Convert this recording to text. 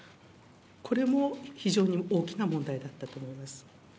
これも非常に大きな問題だったと思います。